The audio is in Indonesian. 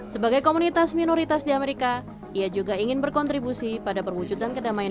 sebagai komunitas minoritas di amerika ia juga ingin berkontribusi pada perwujudan kedamaian